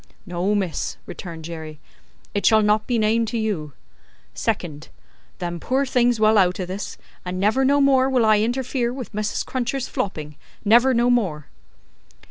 "No, miss," returned Jerry, "it shall not be named to you. Second: them poor things well out o' this, and never no more will I interfere with Mrs. Cruncher's flopping, never no more!"